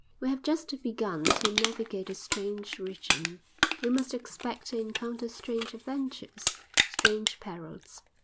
We have just begun to navigate a strange region; we must expect to encounter strange adventures, strange perils.